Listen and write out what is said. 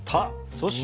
そして。